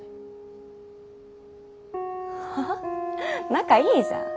仲いいじゃん。